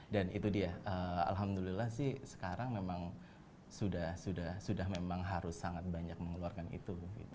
dan itu dia alhamdulillah sih sekarang memang sudah memang harus sangat banyak mengeluarkan itu